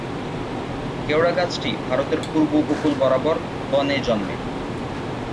কেওড়া গাছটি ভারতের পূর্ব উপকূল বরাবর বনে জন্মে।